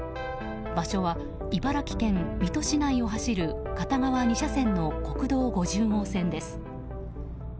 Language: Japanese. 場所は茨城県水戸市内を走る片側２車線の国道５０号線です。